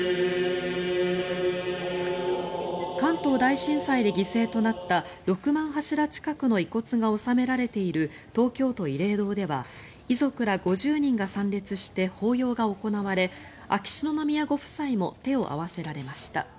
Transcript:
関東大震災で犠牲となった６万柱近くの遺骨が納められている東京都慰霊堂では遺族ら５０人が参列して法要が行われ秋篠宮ご夫妻も手を合わせられました。